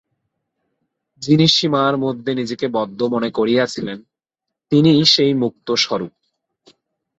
যিনি সীমার মধ্যে নিজেকে বদ্ধ মনে করিয়াছিলেন, তিনিই সেই মুক্ত-স্বরূপ।